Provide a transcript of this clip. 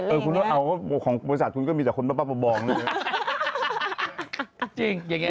เออคุณเอาของบริษัทคุณก็มีแต่คนป้าประบองเลย